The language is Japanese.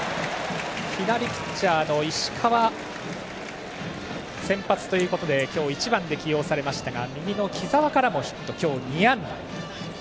左ピッチャーの石川が先発ということで今日、１番で起用されましたが右の木澤からもヒット今日２安打。